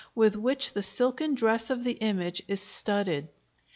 with which the silken dress of the image is studded.